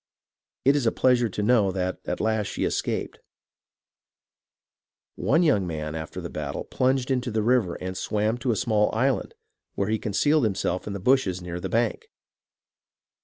It is a pleasure to know that at last she escaped. One young man, after the battle, plunged into the river and swam to a small island where he concealed himself in the bushes near the bank.